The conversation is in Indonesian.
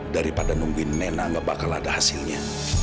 daripada nungguin nenang nggak bakal ada hasilnya